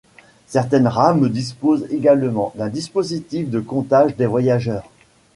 Certaines rames disposent également d'un dispositif de comptage des voyageurs.